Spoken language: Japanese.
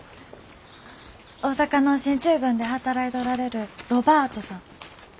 大阪の進駐軍で働いておられるロバートさん。